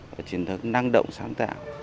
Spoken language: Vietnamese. và truyền thống năng động sáng tạo